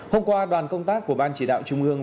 hôm qua đoàn công tác của ban chỉ đạo trung ương